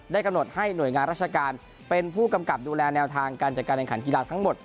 กำหนดให้หน่วยงานราชการเป็นผู้กำกับดูแลแนวทางการจัดการแข่งขันกีฬาทั้งหมด